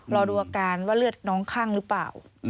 รอดูอาการว่าเลือดน้องคั่งหรือเปล่า